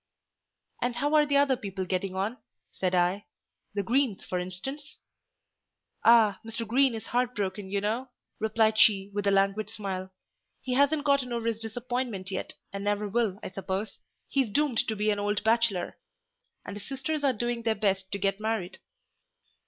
"And how are the other people getting on?" said I—"the Greens, for instance?" "Ah! Mr. Green is heart broken, you know," replied she, with a languid smile: "he hasn't got over his disappointment yet, and never will, I suppose. He's doomed to be an old bachelor; and his sisters are doing their best to get married."